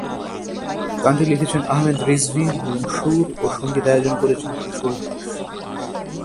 গানটি লিখেছেন আহমেদ রিজভী এবং সুর ও সংগীতায়োজন করেছেন কিশোর দাস।